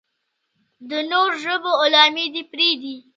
د نورو ژبو غلامي دې پرېږدي.